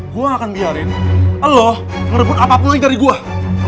gue gak akan biarin lo ngerebut apapun dari gue